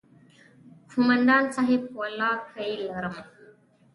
کومندان صايب ولله که يې لرم.